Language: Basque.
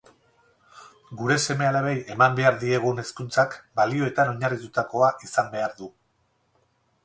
Gure seme-alabei eman behar diegun hezkuntzak balioetan oinarritutakoa izan behar du